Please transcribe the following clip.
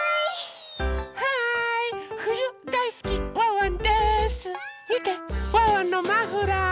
ワンワンのマフラー。